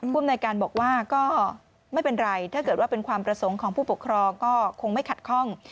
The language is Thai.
ภูมิในการบอกว่าก็ไม่เป็นไรถ้าเกิดว่าเป็นความประสงค์ของผู้ปกครองก็คงไม่ขัดข้อง